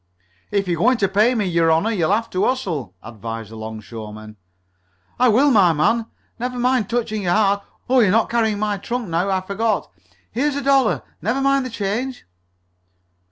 "If you're goin' t' pay me, your honor, you'll have t' hustle," advised the 'longshoreman. "I will, my man. Never mind touching your hat. Oh, you are not carrying my trunk now; I forgot. Here's a dollar. Never mind the change."